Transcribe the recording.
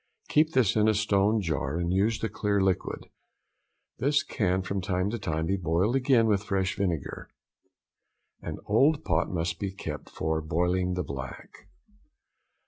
Keep this in a stone jar, and use the clear liquid. This can from time to time be boiled again with fresh vinegar. An old iron pot must be kept for boiling the black.